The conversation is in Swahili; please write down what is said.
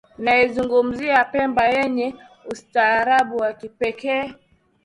Naizungumzia Pemba yenye ustaarabu wa kipekee